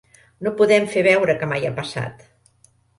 No podem fer veure que mai ha passat.